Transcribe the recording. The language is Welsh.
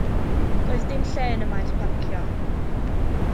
Doedd dim lle yn y maes parcio.